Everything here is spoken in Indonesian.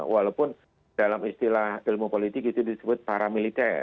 walaupun dalam istilah ilmu politik itu disebut paramiliter